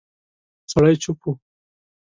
سړی چوپ و.